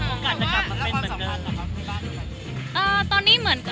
โอกาสจะกลับมาเป็นเหมือนเดิม